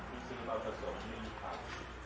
สวัสดีทุกคน